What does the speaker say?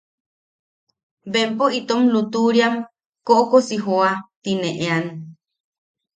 “bempo itom lutuʼuriam koʼokosi jooa” ti ne ean.